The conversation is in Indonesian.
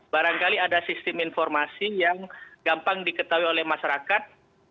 barangkali ada sistem informasi yang gampang diketahui oleh masyarakat